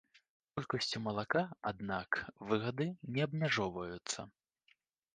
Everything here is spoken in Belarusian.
Колькасцю малака, аднак, выгады не абмяжоўваюцца.